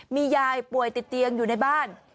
มียายป่วยติดเตียงอยู่ในบ้าน